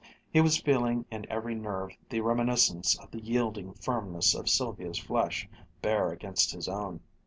He was feeling in every nerve the reminiscence of the yielding firmness of Sylvia's flesh, bare against his own.